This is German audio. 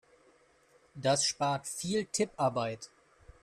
Das spart viel Tipparbeit.